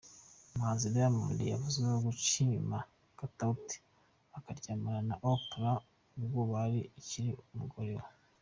Umuhanzi Diamond yavuzweho guca inyuma Katauti akaryamana na Oprah ubwo yari akiri umugore we.